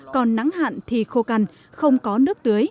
cùng với hoa màu tốt tươi